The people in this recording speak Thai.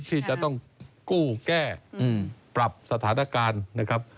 ที่จะต้องกู้แก้ปรับสถานการณ์นะครับ